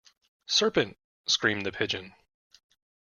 ‘Serpent!’ screamed the Pigeon.